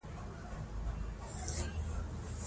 د نسوارو کډه یې بېرته کښېناوه.